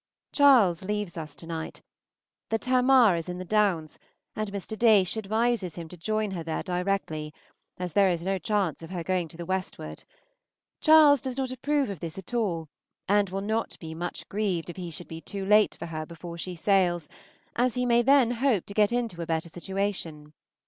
Charles leaves us to night. The "Tamar" is in the Downs, and Mr. Daysh advises him to join her there directly, as there is no chance of her going to the westward. Charles does not approve of this at all, and will not be much grieved if he should be too late for her before she sails, as he may then hope to get into a better station.